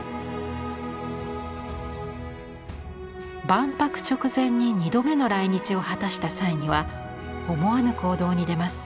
万博直前に２度目の来日を果たした際には思わぬ行動に出ます。